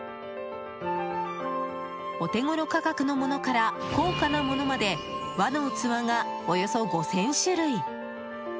お手頃価格のものから高価なものまで和の器がおよそ５０００種類。